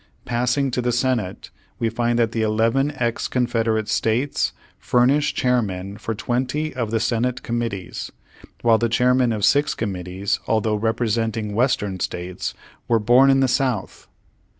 Passing to the Senate, we find that the eleven ex Confederate states furnish chairmen for twenty of the Senate Committees, while the chair men of six committees, although representing Western states, were born in the South.